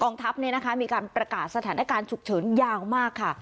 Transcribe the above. กองทัพเนี่ยนะคะมีการประกาศสถานการณ์ฉุกเฉินยากมากค่ะ